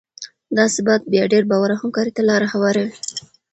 دا ثبات بیا ډیر باور او همکارۍ ته لاره هواروي.